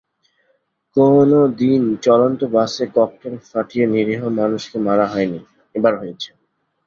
কোনো দিন চলন্ত বাসে ককটেল ফাটিয়ে নিরীহ মানুষকে মারা হয়নি, এবার হয়েছে।